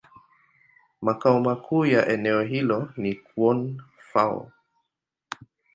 Makao makuu ya eneo hilo ni Koun-Fao.